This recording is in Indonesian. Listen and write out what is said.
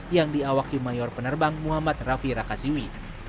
yang diawaki mayor penerbang muhammad rafi rakasiwi